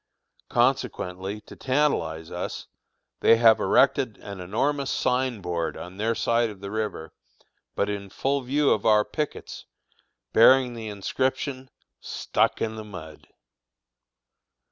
Consequently, to tantalize us, they have erected an enormous sign board on their side of the river, but in full view of our pickets, bearing the inscription: "Stuck in the mud!"